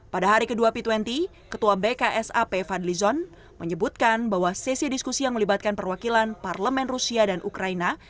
pada hari kedua p dua puluh ketua bksap fadlizon menyebutkan bahwa sesi diskusi yang melibatkan perwakilan parlemen rusia dan ukraina